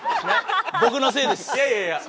僕のせいです。